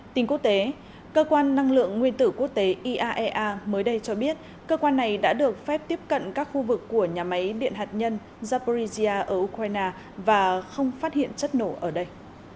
tình quốc tế cơ quan năng lượng nguyên tử quốc tế iaea mới đây cho biết cơ quan này đã được phép tiếp cận các khu vực của nhà máy điện hạt nhân zaporizhia ở ukraine và không phát hiện chất nổ ở đây